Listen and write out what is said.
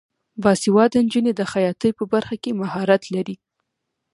باسواده نجونې د خیاطۍ په برخه کې مهارت لري.